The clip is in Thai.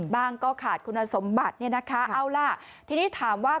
บ้างก็ขาดคุณสมบัติเอาล่ะทีนี้ถามว่า